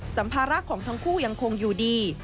สัมภาระของทั้งคู่ยังคงอยู่ดี